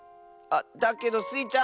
あっだけどスイ